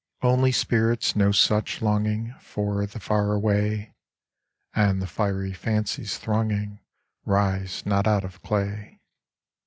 Only spirits know such longing For the far away ; And the fiery fancies thronging Rise not out of clay.